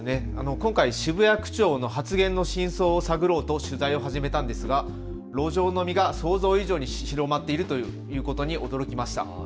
今回、渋谷区長の発言の真相を探ろうと取材を始めたんですが路上飲みが想像以上に広がっているということに驚きました。